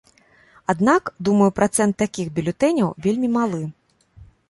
Аднак, думаю, працэнт такіх бюлетэняў вельмі малы.